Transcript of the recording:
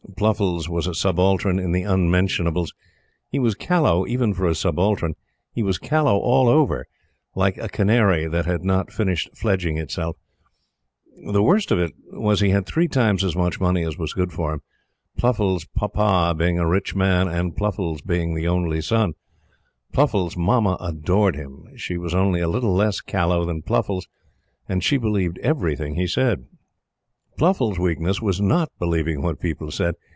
Pluffles was a subaltern in the "Unmentionables." He was callow, even for a subaltern. He was callow all over like a canary that had not finished fledging itself. The worst of it was he had three times as much money as was good for him; Pluffles' Papa being a rich man and Pluffles being the only son. Pluffles' Mamma adored him. She was only a little less callow than Pluffles and she believed everything he said. Pluffles' weakness was not believing what people said.